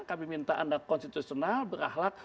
kami minta anda konstitusional berahlak